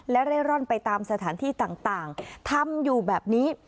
และเร่ร่อนไปตามสถานที่ต่างทำอยู่แบบนี้